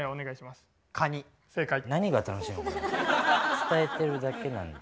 伝えてるだけなんで。